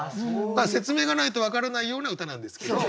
まあ説明がないと分からないような歌なんですけどね。